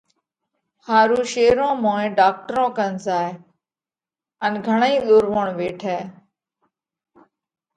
ۿارُو شيرون موئين ڍاڪٽرون ڪنَ زائه، ان گھڻئِي ۮورووڻ ويٺئه۔۔